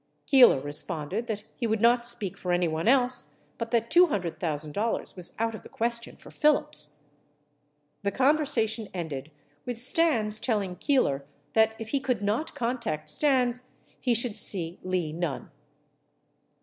Keeler responded that he would not speak for anyone else, but that $200,000 was out of the question for Phillips. The conversation ended with Stans telling Keeler that if he could not contact Stans, he should see Lee Nunn.